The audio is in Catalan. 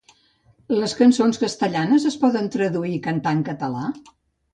Les cançons castellanes es poden traduir i cantar en català?